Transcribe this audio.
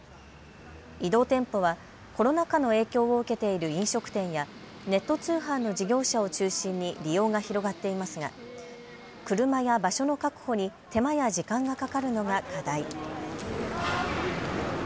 移動店舗はコロナ禍の影響を受けている飲食店やネット通販の事業者を中心に利用が広がっていますが車や場所の確保に手間や時間がかかるのが課題。